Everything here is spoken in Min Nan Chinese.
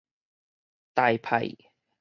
台派